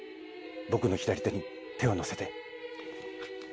僕の左手に手を乗せて。